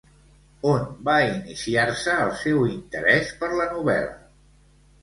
On va iniciar-se el seu interès per la novel·la?